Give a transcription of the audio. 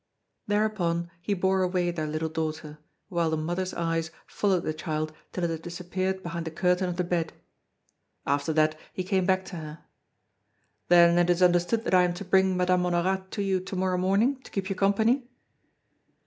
Thereupon, he bore away their little daughter, while the mother's eyes followed the child till it had disappeared behind the curtain of the bed. After that, he came back to her: "Then it is understood that I am to bring Madame Honorat to you to morrow morning, to keep you company?"